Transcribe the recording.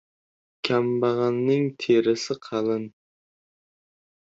• Kambag‘alning terisi qalin.